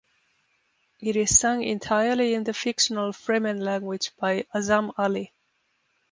It is sung entirely in the fictional Fremen language by Azam Ali.